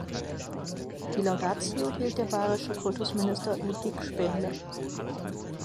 Die Laudatio hielt der bayerische Kultusminister Ludwig Spaenle.